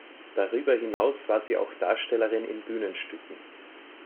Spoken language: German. Darüber hinaus war sie auch Darstellerin in Bühnenstücken.